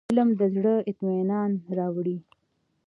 علم د زړه اطمينان راوړي.